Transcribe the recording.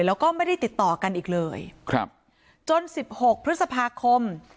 แล้วก็ไม่ได้ติดต่อกันอีกเลยจน๑๖พฤษภาคม